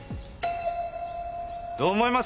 どう思います？